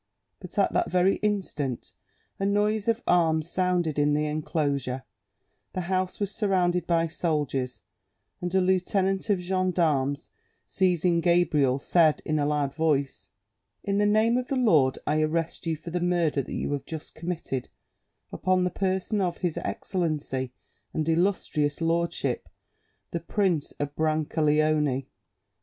But at that very instant a noise of arms sounded in the enclosure, the house was surrounded by soldiers, and a lieutenant of gendarmes, seizing Gabriel, said in a loud voice, "In the name of the law, I arrest you for the murder that you have just committed upon the person of his excellency and illustrious lordship, the Prince of Brancaleone."